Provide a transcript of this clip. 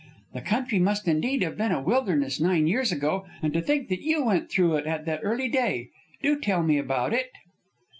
"The country must indeed have been a wilderness nine years ago, and to think that you went through it at that early day! Do tell me about it."